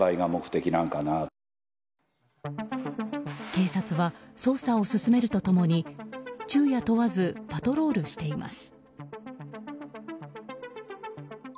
警察は捜査を進めると共に昼夜問わずパトロールしています。